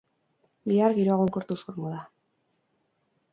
Bihar, giroa egonkortuz joango da.